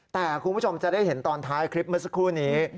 แต่คุณผู้ชมจะได้เห็นตอนท้ายคลิปเมื่อสักครู่นี้